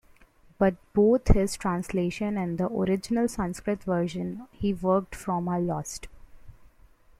But both his translation and the original Sanskrit version he worked from are lost.